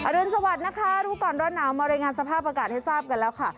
รุนสวัสดิ์นะคะรู้ก่อนร้อนหนาวมารายงานสภาพอากาศให้ทราบกันแล้วค่ะ